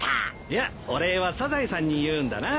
いやお礼はサザエさんに言うんだな。